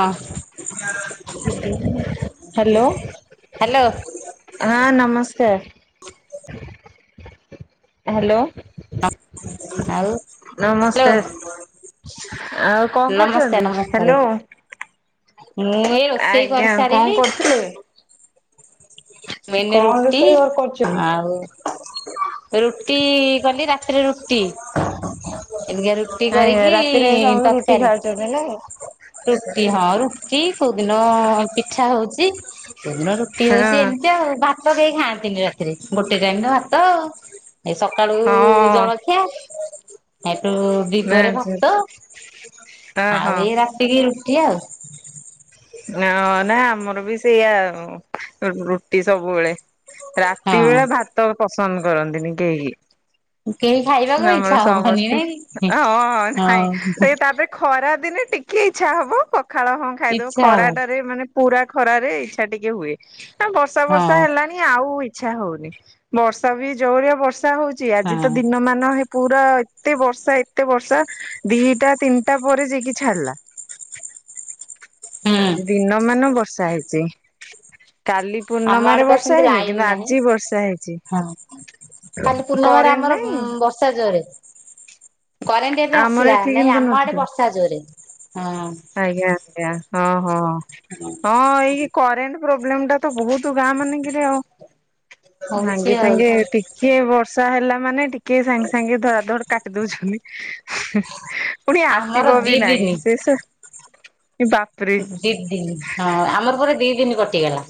ଅ hello hello ହଁ ନମସ୍କାର ହ୍ୟାଲୋ। ଆଉ ହ୍ୟାଲୋ ନମସ୍କାର ଆଉ କଣ ନମସ୍କାର କରୁଛନ୍ତି ନମସ୍କାର। ହ୍ୟାଲୋ? ମୁଁ ଏଇ ରୋଷେଇ ଆଜ୍ଞା କଣ କରିସାରିଲି କରୁଥିଲେ? ମେନେ କଣ ରୁଟି ରୋଷେଇ ଘର କରୁଛନ୍ତି? ଆଉ ରୁଟି କାଲି ରାତିରେ ରୁଟି ଏ [unintelligible] ରୁଟି ଆଜ୍ଞା କରିକି ରାତିରେ ସମସ୍ତେ ରୁଟି ତରକାରୀ। [unintelligible] ରୁଟି ହଁ ରୁଟି କୋଉଦିନ ପିଠା ହଉଛି କୋଉଦିନ ରୁଟି ହଁ ହଉଛି ଏମିତି ଆଉ ଭାତ କେହି ଖାଆନ୍ତିନି ରାତିରେ ଗୋଟେ ଟାଇମ ର ଭାତ ଆଉ ଏ ସକାଳୁ ଜଳଖିଆ ଏଠୁ ଦିପରେ ଭାତ ହଁ ଆଉ ହଁ ଏଇ ରାତିକି ରୁଟି ଆଉ। ନା ନା ଆମର ବି ସେଇଆ ରୁଟି ସବୁବେଳେ ରାତି ହଁ। ବେଳେ ଭାତ ପସନ୍ଦ କରନ୍ତିନି କେହିକି କେହି ଖାଇ ଆମର ସମସ୍ତେ ହଁ ନାଇଁ ହଉ ସେ ତାପ ଖରା ଦିନେ ଟିକେ ଇଚ୍ଛା ହବ ପଖାଳ ହଁ ଖାଇଦବ ଇଚ୍ଛା ଖରା ହଉ ଟାରେ ମାନେ ପୁରା ଖରାରେ ଇଚ୍ଛା ଟିକେ ହୁଏ ନା ବର୍ଷା ବର୍ଷା ହଁ ହେଲାନି ଆଉ ଇଚ୍ଛା ହଉନି ବର୍ଷା ବି ଜୋରିଆ ବର୍ଷା ହଉଛି ଆଜି ହଁ ତ ଦିନ ମାନ ହେ ପୁରା ଏତେ ବର୍ଷା ଏତେ ବର୍ଷା ଦିଟା ତିନିଟା ପରେ ଯାଇକି ଛାଡିଲା। ଆ ହୁଁ ଦିନ ମାନ ବର୍ଷା ହେଇଛି କାଲି ଆମ ପୂର୍ଣ୍ଣମାରେ ଆଡେ ପା ବର୍ଷା ସେମିତି ହେଇନି କିନ୍ତୁ ଲାଇନ ନାହିଁ ଆଜି ବର୍ଷା ହେଇଛି ହଁ କରେଣ୍ଟ ନା ହୁଁ ବର୍ଷା ଜୋରେ କରେଣ୍ଟ ଏବେ ଆମର ଆସିଲା ଏଠି ନାଇଁ କିନ୍ତୁ ଆମ ଆଡେ ନଥିଲା ବର୍ଷା ଜୋରେ ହଁ ଆଜ୍ଞା ଆଜ୍ଞା ହଁ ହଁ ହଁ ଏଇ କରେଣ୍ଟ ପ୍ରୋବ୍ଲେମ ଟା ତ ବହୁତ ଗାଁ ମାନେଙ୍କେରେ ଆଉ ହଉଛି ସାଙ୍ଗେ ଆଉ ସାଙ୍ଗେ ଏଠ କିଏ ବର୍ଷା ହେଲା ମାନେ ଟିକେ ସାଙ୍ଗେ ସାଙ୍ଗେ ଧରା ଧଡ କାଟି ଦଉଛନ୍ତି। ପୁଣି ଆମର ଆସିବ ଦି ବି ନାହିଁ ଦିନି ସେ ବା ଦି ଦିନ ହଁ ଆମର ପରେ ଦି ଦିନ କଟିଗଲା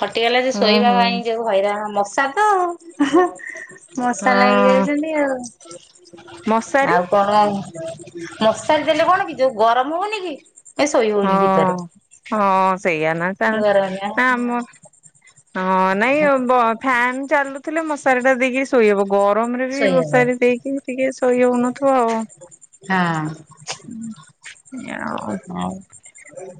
ଫଟିଗଲା ଯେ ଶୋଇବା ଓହୋ ପାଇଁ ଯୋଉ ହଇରାଣ ମଶା ତ ହଁ ମଶା ହଁ ଲାଗିଯାଉଛନ୍ତି ଆଉ ମଶାରୀ ଆଉ କଣ ହଁ ମଶାରି ଦେଲେ କଣ କି ଯୋଉ ଗରମ ହଉନି କି ଏ ଶୋଇ ହଉନି ଭିତରେ ହଁ ହଁ ସେଇଆ ନା ନା ଗରମ ଆମ ହଁ ନାଇଁ ଫ୍ୟାନ ଚାଲୁଥିଲେ ମଶାରି ଟା ଦେଇକି ଶୋଇହବ। ଗରମ ରେ ବି ଶୋଇହବ ମଶାରୀ ଦେଇକି ଟିକେ ଶୋଇ ହଉନଥିବ ଆଉ ହଁ। [unintelligible] ଆଉ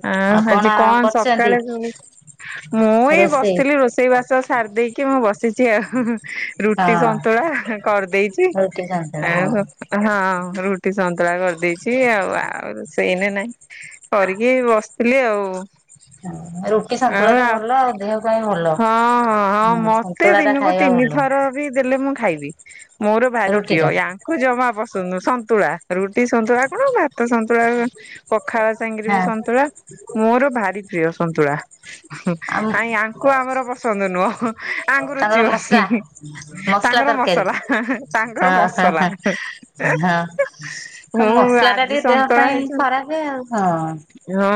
ଆ ଆଉ ଆଜି କଣ କରିଛନ୍ତି ସକାଳେ ମୁଁ ଏଇ ରୋଷେଇ ବସିଥିଲି ରୋଷେଇ ବାସ ସାରି ଦେଇକି ମୁଁ ବସିଛି ଆଉ। ହଁ ରୁଟି ସନ୍ତୁଳା କରିଦେଇଛି ରୁଟି ସନ୍ତୁଳା ହଁ ଆ ହଁ ରୁଟି ସନ୍ତୁଳା କରିଦେଇଚି ଆଉ ଆଉ ସେଇନା ନାହିଁ। ଏଇ ବସିଥିଲି ଆଉ। ରୁଟି ସନ୍ତୁଳା ତ ଭଲ ଆଉ ଦେହ ପାଇଁ ଭଲ। ହଁ ହଁ ମତେ ସନ୍ତୁଳା ଟା ଦିନକୁ ଖାଇବା ଭଲ ତିନିଥର [unintelligible] ଦେଲେ ମୁଁ ଖାଇବି ମୋର ଭାରି ରୁଟି ପ୍ରିୟ। ଟା ୟା ଙ୍କୁ ଜମା ପସନ୍ଦ ନୁ ସନ୍ତୁଳା ରୁଟି ସନ୍ତୁଳା କଣ ଭାତ ସନ୍ତୁଳା ଲଖାଳା ସାଙ୍ଗରେ ବି ହଁ ସନ୍ତୁଳା। ମୋର ଭାରି ପ୍ରିୟ ସନ୍ତୁଳା ହୁଁ ଆଉ ଆ ୟା ଙ୍କୁ ଆମର ପସନ୍ଦ ନୁହଁ। ତାଙ୍କୁ ତାଙ୍କର ମସଲା ରୁଚିବନି ମସଲା ତାଙ୍କର ତରକାରୀ ମସଲା ତାଙ୍କର ହଁ ମସଲା ହଁ ମୁଁ ମସଲା ଟା ଆଜି ଟିକେ ଦେହ ସନ୍ତୁଳା ପାଇଁ ହେଇଛି ଖରାପ ଆଉ ହଁ। ହଁ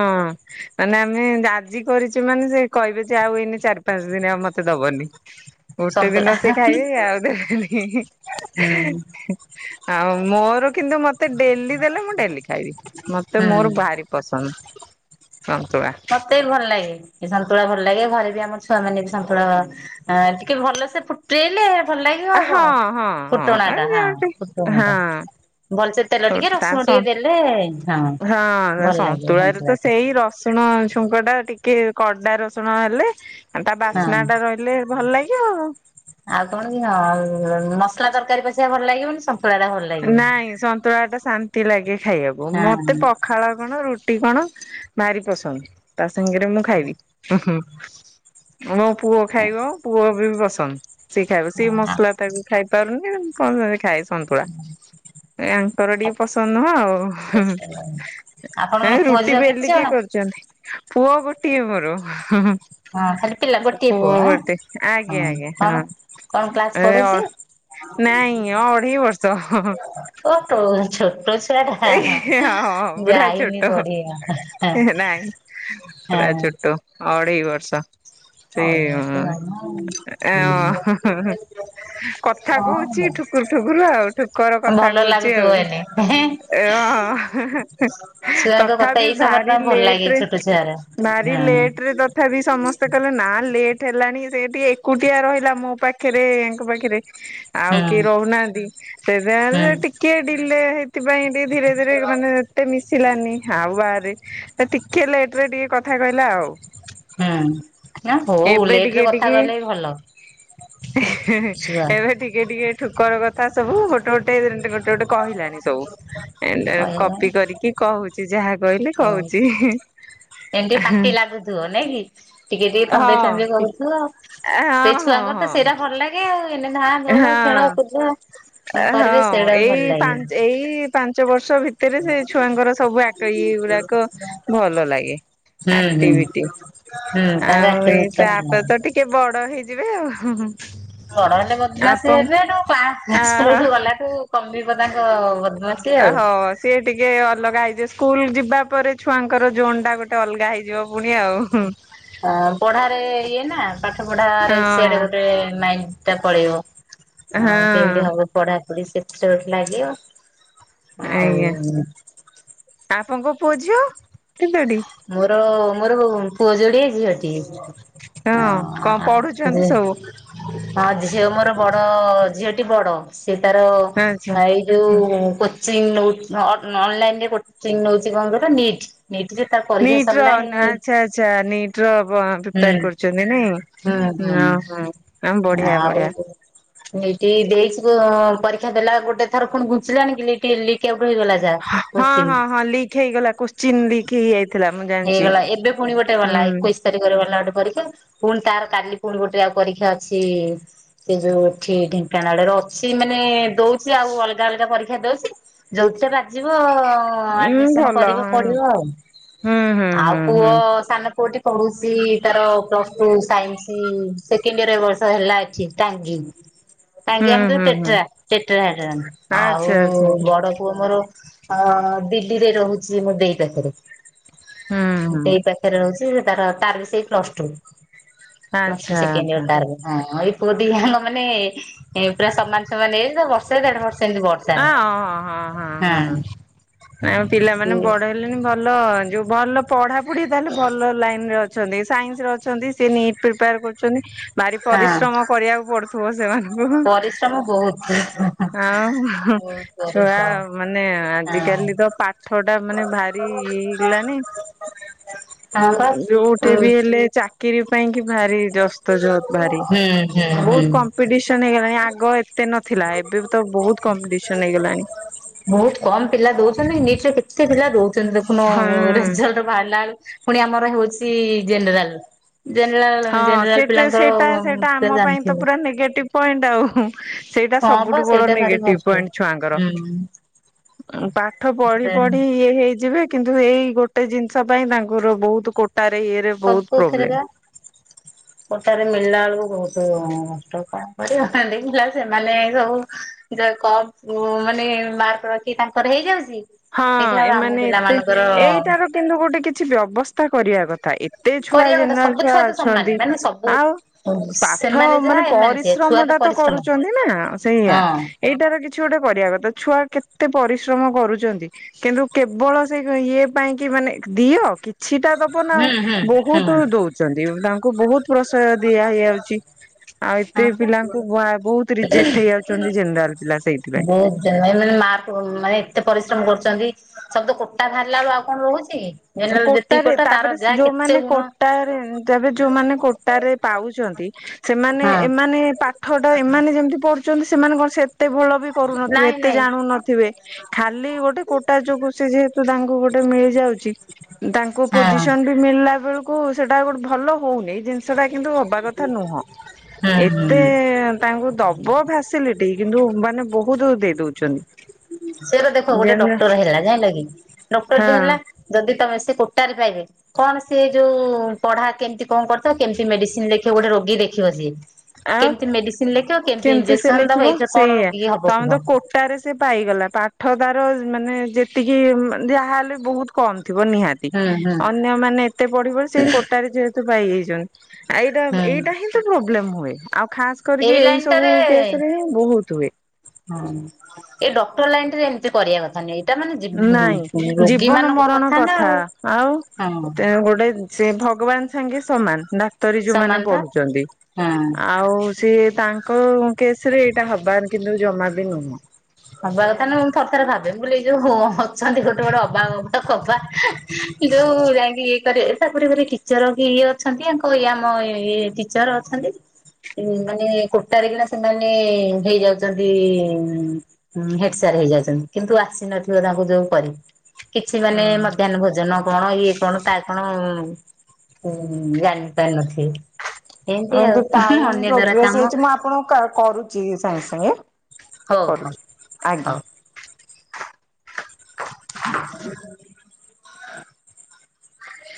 ମାନେ ଆମେ ଆଜି କରିଚେ ମାନେ ସେ କହିବେ ଯେ ଆଉ ଏନେ ଚାରି ପାଞ୍ଚ ଦିନ ଆ ମତେ ଦବନି। ଗୋଟେ ଦିନ ସନ୍ତୁଳା ସେ ଖାଇବେ ଆଉ ଦେଲେନି ହୁଁ ଆଉ ମୋର କିନ୍ତୁ ମତେ ଡେଲି ଦେଲେ ମୁଁ ଡେଲି ଖାଇବି ମତେ ହୁଁ ମୋର ଭାରି ପସନ୍ଦ। ସନ୍ତୁଳା ମତେ ବି ଭଲ ଲାଗେ ସନ୍ତୁଳା ଭଲ ଲାଗେ ଘରେ ବି ଆମର ଛୁଆ ମାନେ ବି ସନ୍ତୁଳା ଆ ଟିକେ ଭଲସେ ଫୁଟେଇଲେ ଭଲ ଲାଗାବ ଆଉ ହଁ କଣ ହଁ ଫୁଟଣା ଟା ହଁ ଫୁଟୁଣା ଟା ଭଲସେ ତେଲ ହଁ ଟିକେ ରସୁଣ ହଁ ଟିକେ ଦେଲେ ହଁ ହଁ ଭଲ ଲାଗିବ ସନ୍ତୁଳାରେ ତ ସନ୍ତୁଳା ଟେ। ସେଇ ରସୁଣ ଛୁଙ୍କ ଟା ଟିକେ କଡା ରସୁଣ ହେଲେ ଆ ତା ହଁ। ବାସ୍ନା ଟା ରହିଲେ ଭଲ ଲାଗିବ ଆଉ। ଆଉ କଣ କି ହଁ ଆଉ ମସଲା ତରକାରୀ ପଛିକା ଭଲ ଲାଗିବନି ସନ୍ତୁଳାଟା ଭଲ ଲା ନାଇଁ ସନ୍ତୁଳା ଟା ଶାନ୍ତି ଲାଗେ ଖାଇବାକୁ ମତେ ପ ଖାଳ କଣ ରୁଟି କଣ ଭାରି ପସନ୍ଦ। ତା ସାଙ୍ଗରେ ମୁଁ ଖାଇବି ଉଁ ହୁଁ ମୋ ପୁଅ ଖାଇବ ପୁଅ ବି ପସନ୍ଦ। ସିଏ ଖାଇବ ସେ ହଁ ମସଲା ତାକୁ ଖାଇ ପାରୁନି କଣ ଲଗେଇ ଖାଏ ସନ୍ତୁଳା। ୟାଙ୍କର ଟିକେ ପସନ୍ଦ ନୁହଁ ଆଉ ହୁଁ ଆପଣଙ୍କର ପୁଅ ରୁଟି ଝିଅ କେତେ ବେଲି କି ଜଣ? କରୁ ଚନ୍ତି ପୁଅ ଗୋଟିଏ ମୋର ହୁଁ ହୁଁ। ହଁ ଖାଲି ପିଲା ଗୋଟିଏ ପୁଅ ଆଁ ଗୋଟେ ଆଜ୍ଞା ହଁ ଆଜ୍ଞା କଣ ହଁ କଣ କ୍ଲାସ ଏଁ ପଢୁଛି? ଅ ନାଇଁ ଅଢେଇ ବ ର୍ଷ ହଁ ହଁ ଓ ଟୋ ଛୋଟ ଛୁଆ ଟା ଏଇ ହିଁ ହଁ ହଁ ହଁ ପୁରା ଯାଇନି ଛୋଟ। ପଢିବା। ଏ ହେ ନାଇଁ ପୁରା ହଁ ଛୋଟ ଅଢେଇ ବର୍ଷ। ସେ ଅଳସୁଆ ଅଁ ଜମା ହଁ ଏ ଅଁ [unintelligible] କଥା କୋହୁଚି ଠୁକୁର ଠୁକୁରୁ ଆଉ। ଠୁକର କଥା ଭଲ କୋହୁଚି ଲାଗୁଥିବ ଆଉ ଏଇନେ [unintelligible] ଛୁଆଙ୍କ କଥା ତଥାପି ଏଇ ସମୟରେ ଭାରି ତାଙ୍କୁ ଭଲ ଲେଟ୍ ଲାଗେ ରେ ଛୋଟ ଛୁଆର। ହୁଁ ଭାରି ଲେଟ୍ ରେ ତ ଥାପି ସମସ୍ତେ କହିଲେ ନା ଲେଟ୍ ହେଲାଣି ସେ ଟିକେ ଏକୁଟିଆ ରହିଲା ମୋ ପାଖରେ ୟାଙ୍କ ପାଖରେ। ଆଉ ହୁଁ କେହି ରହୁନାହାନ୍ତି ସେଇଥିପାଇଁ [unintelligible] ହୁଁ ଟିକେ ଡିଲେ ସେଥିପାଇଁ ଟିକେ ଧୀରେ ଧୀରେ ମାନେ ଏତେ ମିଶିଲାନି ହଁ ବାହାରେ ଟିକେ ଲେଟରେ ଟିକେ କଥା କହିଲା ଆଉ। ହୁଁ ନା ହଉ ଏବେ ଟିକେ ଲେଟରେ କଥା ଟିକେ କହିଲେ ବି ଭଲ। ଛୁଆ ଏବେ ଟିକେ ଟିକେ ଠୁକର କଥା ସବୁ ଗୋ ଟେ ଗୋଟେ ଗୋଟେ କହିଲାଣି ସବୁ ଏମିତି କହିଲାଣି କପି କରିକି କହୁଚି ଯାହା ମୁଁ କହିଲେ ହଉ। କହୁଚି। ଏମିତି ପାଟି ଲାଗୁଥିବ ନାଇଁ କି ଟିକେ ଟିକେ ଥମ୍ବେଇ ଥମ୍ବେଇ କୋହୁଥିବ ଆଉ। ହଁ ସେ ହଁ ଛୁଆଙ୍କର ତ ସେଇରା ହଁ ଭଲ ଲାଗେ। [unintelligible] ଏଇନା ଧାଁ ଦୌଡ ହଁ। ଖେଳ କୁଦ କରିବେ ହଁ ସେଉଡାକ ଭଲ ଏଇ ଲାଗେ। ପାଞ୍ଚ ଏଇ ପାଞ୍ଚ ବର୍ଷ ଭିତରେ ସେ ଛୁଆଙ୍କର ସବୁ ଆକ ଇଏ ଗୁଡାକ ଭଲ ଲାଗେ। ହୁଁ ହୁଁ ଆକ୍ଟିଭିଟି ହୁଁ ହୁଁ ତାର ଆଉ ଏଇ ଆକ୍ଟିଭିଟି ଟା ଭଲ ତାପରେ ତ ଲାଗେ। ଟିକେ ବଡ ହେଇଯିବେ ଆଉ ବଡ ହେଲେ ବଦମାସୀ ଆପଣ ହେବେତ କ୍ଲାସ୍ ଆ ସ୍କୁଲ ଗଲାଠୁ କମିବ ତାଙ୍କ ବଦମାସୀ। ଆ ହଁ ସିଏ ଟିକେ ଅଲଗା ହେଇଯିବ ସ୍କୁଲ ଯିବା ପରେ ଛୁଆଙ୍କର ଜୋନଟା ଗୋଟେ ଅଲଗା ହେଇଯିବ। ପୁଣି ଆଉ ହଁ ପଢାରେ ଇଏ ନା ପାଠ ପଢାରେ ସିଆଡେ ହଁ ଗୋଟେ ମାଇଣ୍ଡଟା ପଳେଇବ। ହଁ କେମତି ହବ ପଢାପଢି ସେଥିରେ ଗୋଟେ ଲାଗିବ। ଆଉ ଆଜ୍ଞା ଆପଣଙ୍କ ପୁଅ ଝିଅ କେତୋଟି? ମୋର ମୋର ପୁଅ ଯୋଡିଏ ଝିଅଟିଏ। ହଁ କଣ ପଢୁଛନ୍ତି ଆଥରେ ସବୁ ହଁ ଝିଅ ମୋର ବଡ ଝିଅଟି ବଡ ସିଏ ତାର ଆଚ୍ଛା। ପାଇ ଯୋଉ କୋଚିଂ ନଉ ଅନଲାଇନରେ କୋଚିଂ ନଉଛି କଣ କହିଲ ନିଟ୍ ନିଟରେ। ନିଟର ଆଚ୍ଛା ଆଚ୍ଛା ନିଟର ହୁଁ ପ୍ରିପେଆର କରୁଛନ୍ତି ନାଇଁ। ହୁଁ ହଁ ହଁ ବଢିଆ ଆଉ ବଢିଆ। ନିଟ୍ ଦେଇଛି ପରୀକ୍ଷା ଦେଲା ଗୋଟେ ଥର ପୁଣି ଘୁଞ୍ଚିଲାନିକି ଲିକ୍ ଆଉଟ ହେଇଗଲା ଯେ ହଁ ହଁ ହଁ ଲିକ୍ ହେଇଗଲା କୋସ୍ ଚିନ୍ ଲିକ୍ ହେଇଯାଇଥିଲା ମୁଁ ଜାଣିଛି ହୁଁ। ଏକ ତାରିଖରେ ଗଲା ଗୋଟେ ପରୀକ୍ଷା ପୁଣି ତାର କାଲି ପୁଣି ଗୋଟେ ଆଉ ପରୀକ୍ଷା ଅଛି। ସେ ଯୋଉ ଏଠି ଢେଙ୍କାନାଳରେ ଅଛି ମାନେ ଦୋଉଛି ଆଉ ଅଲଗା ଅଲଗା ପରୀକ୍ଷା ଦୋଉଛି। ଯୋଉଥିରେ ବାଜିବ ଉଁ ଆଡମିସନ ଭଲ କରିବ ହଁ ପଢିବ ଆଉ ହୁଁ ହୁଁ ଆଉ ହୁଁ ପୁଅ ହୁଁ ସାନ ପୁଅଟି ପଢୁଚି ତାର plus two science second year ଏ ବର୍ଷ ହେଲା ଏଠି ଟାଙ୍ଗି। ଟାଙ୍ଗୀ ହୁଁ ଆମେ ତ ହୁଁ ହୁଁ। ଟେଟ୍ରା ଟେଟ୍ରାରେ ରୁହନ୍ତି ଆଉ ଆଚ୍ଛା ଆଚ୍ଛା ଆଚ୍ଛା ବଡ ପୁଅ ମୋର ହଁ ବିଡି ରେ ରହୁଛି ମୋ ଦେଇ ପାଖରେ। ହୁଁ ହୁଁ ଦେଇ ପାଖରେ ରହୁଛି ତାର ତାର ବି ସେଇ ପ୍ଲସ ଟୁ। ପ୍ଲସ୍ ଟୁ ଆଚ୍ଛା ସେକେଣ୍ଡ୍ ଇୟର ଆଚ୍ଛା। ତାର ବି। ହଁ ଏଇ ପୁଅ ଦି ‌ହାନକ ମାନେ ପୁରା ସମାନ ସମାନ ଏଜ୍ ବର୍ଷ ଦେଢ ବର୍ଷ ଏମିତି ଅ ବର୍ଷାରେ ହଁ ହଁ ହଁ ହଁ ପିଲାମାନେ ସିଏ ବଡ ହେବ ଭଲ ଯୋଉ ଭଲ ପଢାପଢି ତାହେଲେ ଭଲ ଲାଇନରେ ଅ ଅଛନ୍ତି ସେ ସାଇନ୍ସରେ ଅଛନ୍ତି ସେ ନିଟ ପ୍ରିପେୟାର କରୁଛନ୍ତି। ଭାରି ହଁ ପରିଶ୍ରମ କରିବାକୁ ପଡୁଥିବ ସେମାନଙ୍କୁ ପରିଶ୍ରମ ବହୁତ ଆଉ ହଁ। ବହୁତ ଛୁଆ ପରିଶ୍ରମ ମାନେ ହଁ ଆଜିକାଲି ତ ପାଠଟା ମାନେ ଭାରି ଇଏ ହେଇଗଲାଣି। ହ ବା ଓ ମାନେ ଚାକିରି ପାଇଁ କି ଭାରି ଜସ୍ତ ଜବ ଭାରି ହୁଁ ହୁଁ ବହୁତ କ ପିଡିସନ୍ ହେଇଗଲାଣି ଆଗ ଏତେ ନଥିଲା ଏବେ ତ ବହୁତ କମ୍ପିଟିସନ ହେଇଗଲାଣି ବହୁତ କମ ପିଲା ଦଉଛନ୍ତି ନିଟ୍ ରେ ତେ ପିଲା ଦଉଛନ୍ତି ଦେଖୁନ ହୁଁ ରେଜଲ୍ଟ ବାହାରିଲା ପୁଣି ଆମର ହଉଛି ଜେନେରାଲ। ଜେନେରାଲ ହଁ ଜେନେରାଲ ସେଟା ପିଲାଙ୍କର ସେଟା ସେଟା ଆମ ତମେ ପାଇଁ ତ ଜାଣିଥିବ। ପୁରା ନେଗେଟିଭ ପଏଣ୍ଟ ଆଉ ସେଇଟା ହଁ ବା ସବୁଠୁ ବଡ ସେଇଟା ଭାରି ନେଗେଟିଭ କଷ୍ଟ। ପଏଣ୍ଟ ଛୁଆଙ୍କର। ହୁଁ ଆଉ ପାଠ ପଢି ସେ ପଢି ଇଏ ହେଇଯିବେ। କିନ୍ତୁ ଏଇ ଗୋଟେ ଜିନିଷ ପାଇଁ ତାଙ୍କର ବହୁତ କୋଟାରେ ଇଏରେ ବହୁତ ସବୁ ଥରେ ପ୍ରୋବ୍ଲେମ ବା [inaudible] କୋଟାରେ ମିଳିଲା ବେଳକୁ ବହୁତ କଷ୍ଟ କ କରିନ୍ତି ଦେଖିଲା ସେମାନେ ସବୁ ଜଣେ କମ ମାନେ ମାର୍କ ରଖି ତାଙ୍କର ହେଇଯାଉଛି ହଁ ଦେଖିଲବେଳୁ ଆମ ଏମାନେ ପିଲା ଏତେ ମାନଙ୍କର ଏଇଟାର କିନ୍ତୁ ଗୋଟେ କିଛି ବ୍ୟବସ୍ଥା କରିବା କଥା ଏ ଏତେ ଛୁଆ କରିବା କଥା ଜେନେରାଲ ସବୁ ଛୁଆ ତ ସମାନ ଅଛନ୍ତି ମାନେ ସବୁ ଆଉ ପାଠ ସେମାନେ ଯାହା ମାନେ ଏମାନେ ସେଇଆ ଛୁଆ ପରିଶ୍ରମଟା ତ ପରିଶ୍ରମ କରୁ କରୁଛନ୍ତି ନା ସେଇଆ, ହଁ ଏଇଟାର କିଛି ଗୋଟେ କରିବା କଥା। ଛୁଆ କେତେ ପରିଶ୍ରମ କରୁଚ ନ୍ତି, କିନ୍ତୁ କେବଳ ସେ ଇଏ ପାଇଁ କି ମାନେ ଦିଅ କି ଛିଟା ଦବ ନା ଆଉ, ହୁଁ ହୁଁ ହୁଁ ବହୁତ ଦଉଛନ୍ତି ତାଙ୍କୁ ବହୁତ ପ୍ରସୟ ଦିଆ ହେଇଯାଉଛି, ଆଉ ସେ ହଁ। ପିଲାଙ୍କୁ ବହୁତ ରିଜେକ୍ଟ ହେଇ ଯାଉଛନ୍ତି, ଜେନେରାଲ ପିଲା ସେଇଥିପାଇଁ। ମାନେ ମା ମାନେ ଏତେ ପରିଶ୍ରମ କରୁଚନ୍ତି ସବୁ ତ କୋଟା ବାହାରିଲା ବେଳକୁ ଆଉ କଣ ରହୁଛି? ଜେନେରାଲ ଯେତିକି କୋଟାରେ କୋଟା ତାର ତାପରେ ଯାହା କେତେ ଯୋଉମାନେ ଗୁଣ କୋଟାରେ ତେବେ ଯୋଉମାନେ କୋ ଟାରେ ପାଉଛନ୍ତି, ସେମାନେ ହଁ ଏମାନେ ପାଠଟା ଏମାନେ ଯେମିତି ପଢୁଛନ୍ତି। ସେମାନେ କଣ ସେ ଏତେ ଭଲ ବି କରୁନଥିବେ, ନାଇଁ ଏତେ ନାଇଁ ଜାଣୁ ନଥିବେ। ଖାଲି ଗୋଟେ କୋଟା ଯୋଗୁ, ସେ ଯେହେତୁ ତାଙ୍କୁ ଗୋଟେ ମିଳି ଯାଉଛି। ତାଙ୍କୁ ହଁ ପୋଜିସନ ବି ମିଳିଲା ବେଳକୁ ସେଟା ଗୋଟେ ଭଲ ହଉନି, ଜିନି ସେଇଟା କିନ୍ତୁ ହବା କଥା ନୁହଁ। ହୁଁ ଏତେ ହୁଁ ତାଙ୍କୁ ଦବ ଫାସିଲିଟି, କିନ୍ତୁ ମାନେ ବହୁତ ଦେଇ ଦଉଛନ୍ତି। ସେରା ଦେଖ ଗୋଟେ ଜେନେରାଲ ଡକ୍ଟର ହେଲା, ଜାଇଁଲ କି ଡକ୍ଟର ଟେ ହଁ ହେଲା ଯଦି ତମେ ସେ କୋଟାରେ ପାଇବେ। କଣ ସିଏ ଯୋଉ ପଢା କେମିତି କଣ କରିଥିବ, କେମିତି ମେଡିସିନ ଲେଖିବ? ଗୋଟେ ରୋଗୀକି ଦେଖିବ ସିଏ। ଆଉ କେମିତି ମେଡିସିନ୍ ଲେଖ କେମିତି ସେ ଲେଖିବ, ସେଇୟା ତମେ କୁହ ତ କୋ କୋଟାରେ ସେ ପାଇଗଲା, ପାଠ ତାର ମାନେ ଯେତିକି ଯାହାହେଲେ ବହୁତ କମ୍ ଥିବ ନିହାତି, ହୁଁ ହୁଁ ଅନ୍ୟମାନେ ଏତେ ପଢି ପଢି ସେଇ କୋଟାରେ ଯେହେତୁ ପାଇଯାଇଛନ୍ତି। ଆ ଏଇଟା ହୁଁ ଏଇଟା ହିଁ ତ ପ୍ରୋବ୍ଲେମ ହୁଏ, ଆଉ ଖାସ କରିକି ଲାଇନ ଏଇ ସବୁ ଟାରେ କେସ ରେ ହିଁ ବହୁତ ହୁଏ। ଏଇ ଡକ୍ଟର ଲାଇନ୍ ଟାରେ ଏମିତି କରିବା କଥା ନୁହେଁ। ମାନେ ଜୀ ନାଇଁ ରୋଗୀ ଜୀବନ ମାନଙ୍କ ମରଣ ନା କଥା, ଆଉ ଆଉ ହଁ ଗୋଟେ ସେ ଭଗବାନ ସାଙ୍ଗେ ସମାନ, ଡାକ୍ତରୀ ସମାନ ଯୋଉମାନେ ପା ପଢୁଛନ୍ତି। ହଁ ଆଉ ସିଏ ତାଙ୍କ କେସ ରେ ଏଇଟା ହବା, କିନ୍ତୁ ଜମା ବି ନୁହଁ। ହବା କଥା ନୁହଁ। ମୁଁ ଥର ଥରେ ଭାବେ ମୁଁ କହିଲି ଏ ଯୋଉ ଅଛନ୍ତି, ଗୋଟେ ଗୋଟେ ଅବା ଗବା କବା ଯୋଉ ଯାଇକି ଇଏ କରେ, ତାପରେ ଟିଚର୍ କି ଇଏ ଅଛନ୍ତି। ଆଙ୍କ ଇଏ ଆମ ଇଏ ଟିଚର୍ ଅଛନ୍ତି। ମାନେ କୋଟାରେ କିନା ସେମାନେ ହେଇଯାଉଛନ୍ତି ହେଡ୍ ସାର୍ ହେଇଯାଉଛନ୍ତି, କିନ୍ତୁ ଆସିନଥିବ ତାଙ୍କୁ ଯୋଉ କରି କିଛି ମାନେ ମଧ୍ୟାହ୍ନ ଭୋଜନ କଣ, ଇଏ କଣ, ତା କଣ, ଜାଣି ପାରିନଥିବେ। ଶୁଣନ୍ତୁ ଟାଇମ ପ୍ରୋଗ୍ରେସ କାମ ହେଇଛି, ମୁଁ ଆପଣଙ୍କୁ କରୁଛି ସାଙ୍ଗେ ସାଙ୍ଗେ। ହଉ ହଉ କରୁଛି ଆଜ୍ଞା। ହଉ। [inaudible]